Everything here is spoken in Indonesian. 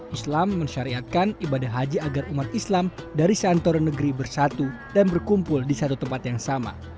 islam mensyariatkan ibadah haji agar umat islam dari seantoro negeri bersatu dan berkumpul di satu tempat yang sama